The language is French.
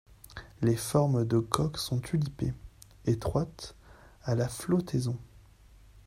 Les formes de coque sont tulipées, étroites à la flottaison.